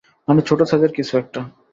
মানে, ছোটো সাইজের কিছু একটা।